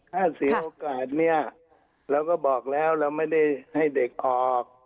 ถ้าเสียโอกาสเนี่ยเราก็บอกแล้วเราไม่ได้ให้เด็กออก